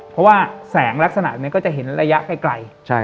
เพราะว่าแสงลักษณะนี้ก็จะเห็นระยะไกล